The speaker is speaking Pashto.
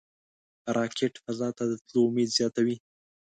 راکټ فضا ته د تللو امید زیاتوي